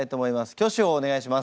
挙手をお願いします。